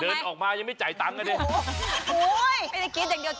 เดินออกมายังไม่จ่ายตังค์กันเนี้ย